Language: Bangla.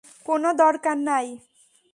কোনো দরকার নাই।